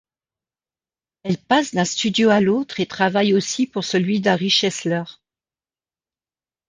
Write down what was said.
Elle passe d'un studio à l'autre et travaille aussi pour celui d'Harry Chesler.